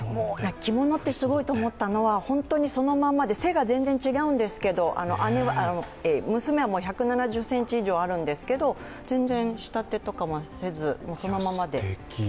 着物ってすごいと思ったのは、本当にそのままで背が全然違うんですけど、娘は１７０ｃｍ以上あるんですけど全然、仕立てとかもせず、そのままで。